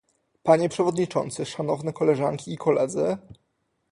Panie przewodniczący, szanowne koleżanki i koledzy